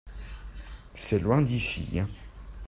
C'est loin d'ici.